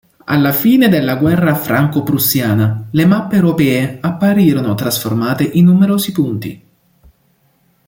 Alla fine della guerra franco-prussiana le mappe europee apparirono trasformate in numerosi punti.